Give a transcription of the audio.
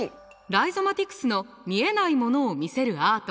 ライゾマティクスの見えないものを見せるアート。